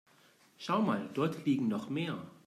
Schau mal, dort liegen noch mehr.